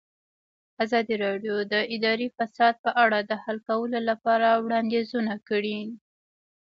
ازادي راډیو د اداري فساد په اړه د حل کولو لپاره وړاندیزونه کړي.